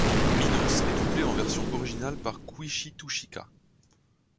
Minos est doublé en version originale par Kouichi Toochika.